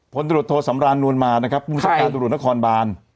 ผลตรวจโทษสำราญนวลมานะครับภูมิศการตรวจนครบาน